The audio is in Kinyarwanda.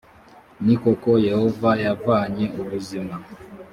ni koko yehova yavanye ubuzima